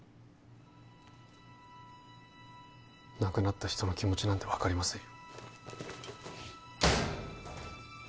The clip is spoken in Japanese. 亡くなった人の気持ちなんて分かりませんよ